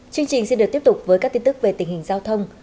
chương trình sẽ được tiếp tục với các tin tức về tình hình giao thông